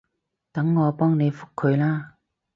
等我幫你覆佢啦